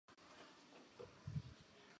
秤砣草